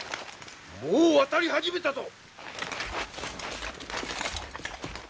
もう渡り始めたと！